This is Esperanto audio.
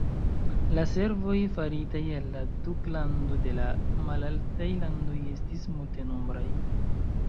La servoj faritaj al la duklando de la Malaltaj Landoj estis multenombraj.